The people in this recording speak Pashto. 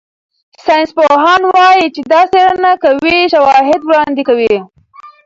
ساینسپوهان وايي چې دا څېړنه قوي شواهد وړاندې کوي.